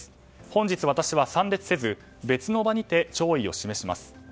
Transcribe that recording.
本日私は参列せず、別の場にて弔意を示します。